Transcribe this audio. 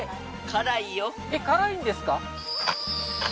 辛いよえっ辛いんですか？